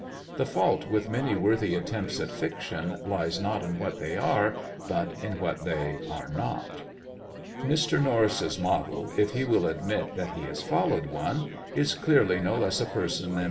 The fault with many worthy attempts at fiction lies not in what they are, but in what they are not. Mr. Norris' model, if he will admit that he has followed one, is clearly no less a person than M.